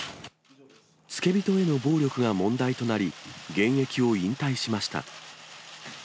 付け人への暴力が問題となり、現役を引退しました。